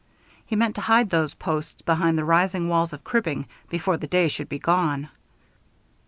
He meant to hide those posts behind the rising walls of cribbing before the day should be gone.